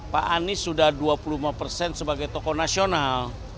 pak anies sudah dua puluh lima persen sebagai tokoh nasional